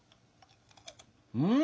うん！